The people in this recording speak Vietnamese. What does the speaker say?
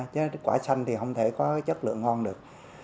chứ quả xanh thì không thể có chất lượng ngon được